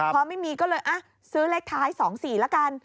พอไม่มีก็เลยซื้อเลขท้าย๒๔ละกัน